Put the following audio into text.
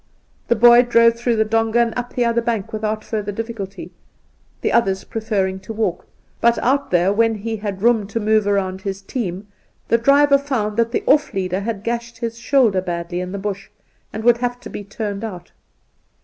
The boy drove through the douga and up the other bank without further difficulty, the others preferring, to walk ; but out there, when he had room to move round his team, the driver found that the off leader had gashed his shoulder badly in the bush, and would have to be turned out.